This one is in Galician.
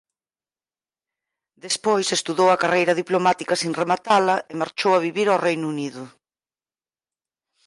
Despois estudou a carreira diplomática sen rematala e marchou a vivir ao Reino Unido.